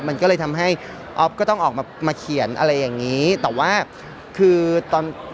มันก็เลยทำให้อ๊อฟก็ต้องออกมามาเขียนอะไรอย่างงี้แต่ว่าคือตอน